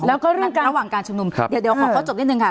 แล้วก็เรื่องการระหว่างการชุมนุมเดี๋ยวขอข้อจบนิดนึงค่ะ